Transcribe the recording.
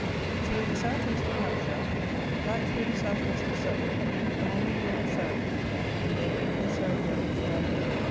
THROUGH THE SOUTH EAST OF HAMPSHIRE, BACK THROUGH THE SOUTH WEST OF SURREY, ALONG THE WEALD OF SURREY, AND THEN OVER THE SURREY HILLS DOWN TO THE WEN.